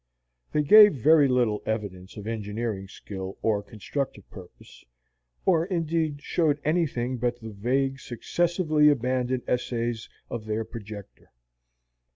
They gave very little evidence of engineering skill or constructive purpose, or indeed showed anything but the vague, successively abandoned essays of their projector.